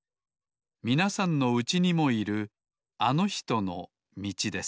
みなさんのうちにもいるあのひとのみちです